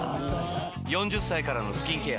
４０歳からのスキンケア